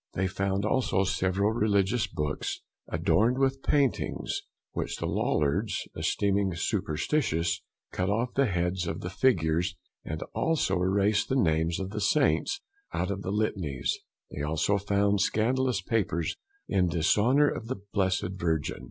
They found also several religious Books, adorned with paintings, which the Lollards esteeming superstitious, cut off the Heads of the Figures, and also erased the Names of the Saints out of the litanies; they also found scandalous Papers in Dishonour of the blessed Virgin.